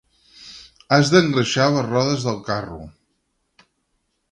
Has d'engreixar les rodes del carro.